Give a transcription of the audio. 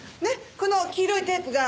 この黄色いテープが圧迫痕。